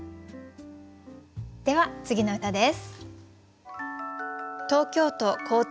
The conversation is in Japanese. では次の歌です。